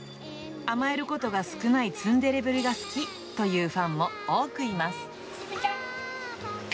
甘えることが少ないツンデレぶりが好きというファンも多くいます。